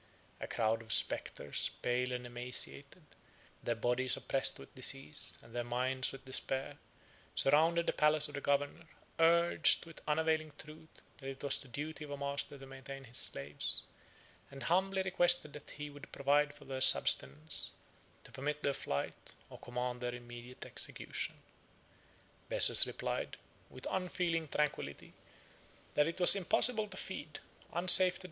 A crowd of spectres, pale and emaciated, their bodies oppressed with disease, and their minds with despair, surrounded the palace of the governor, urged, with unavailing truth, that it was the duty of a master to maintain his slaves, and humbly requested that he would provide for their subsistence, to permit their flight, or command their immediate execution.